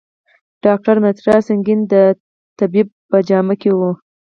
ډاکټر مترا سینګه د طبیب په جامه کې و.